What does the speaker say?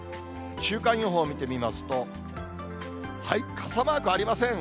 週間予報を見てみますと、傘マークありません。